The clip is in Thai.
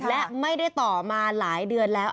และไม่ได้ต่อมาหลายเดือนแล้ว